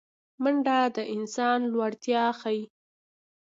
منډه د انسان لوړتیا ښيي